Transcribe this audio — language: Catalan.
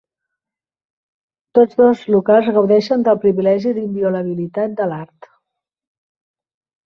Tots dos locals gaudeixen del privilegi d'inviolabilitat de l'art.